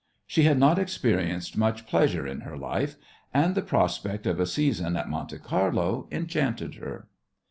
She had not experienced much pleasure in her life, and the prospect of a season at Monte Carlo enchanted her.